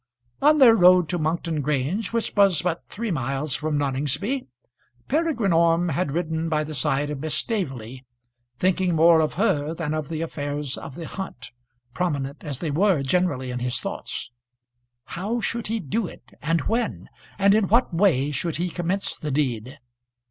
On their road to Monkton Grange, which was but three miles from Noningsby, Peregrine Orme had ridden by the side of Miss Staveley, thinking more of her than of the affairs of the hunt, prominent as they were generally in his thoughts. How should he do it, and when, and in what way should he commence the deed?